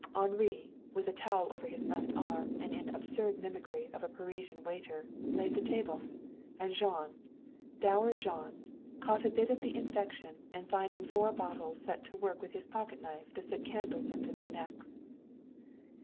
Henri, with a towel over his left arm, and in absurd mimicry of a Parisian waiter, laid the table; and Jean, dour Jean, caught a bit of the infection, and finding four bottles set to work with his pocketknife to fit candles into their necks.